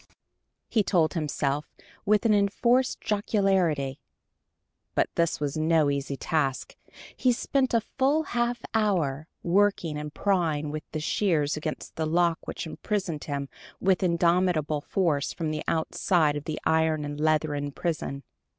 he told himself, with an enforced jocularity. But this was no easy task. He spent a full half hour, working and prying with the shears against the lock which imprisoned him with indomitable force from the outside of the iron and leathern prison.